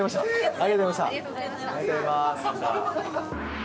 ありがとうございます。